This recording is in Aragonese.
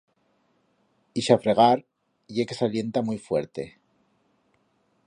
Ixafregar ye que s'alienta muit fuerte.